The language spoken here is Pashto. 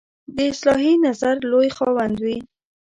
د اصلاحي نظر لوی خاوند وي.